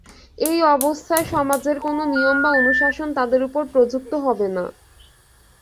এই অবস্থায় সমাজের কোন নিয়ম বা অনুশাসন তাঁদের উপর প্রযুক্ত হবে না।